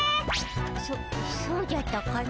そそうじゃったかの。